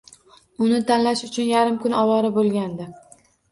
Uni tanlash uchun yarim kun ovora bo`lgandi